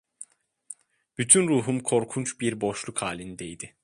Bütün ruhum korkunç bir boşluk halindeydi.